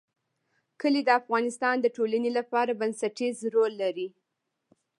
کلي د افغانستان د ټولنې لپاره بنسټيز رول لري.